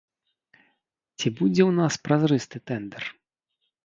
Ці будзе ў нас празрысты тэндэр?